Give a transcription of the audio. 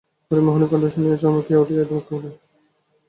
হরিমোহিনীর কণ্ঠ শুনিয়া গোরা চমকিয়া উঠিয়া মুখ ফিরাইল।